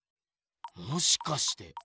もしかして。